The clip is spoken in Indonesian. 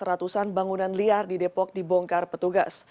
ratusan bangunan liar di depok dibongkar petugas